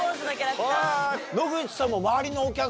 野口さんも。